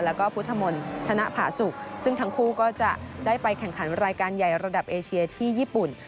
แล้วก็พุทธมนต์ธนภาสุกซึ่งทั้งคู่ก็จะได้ไปแข่งขันรายการใหญ่ระดับเอเชียที่ญี่ปุ่น